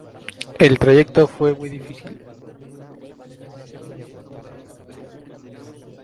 El trayecto fue muy difícil.